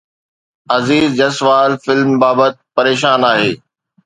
Uzair Jaswal film بابت پريشان آهي